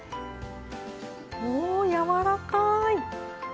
おやわらかい！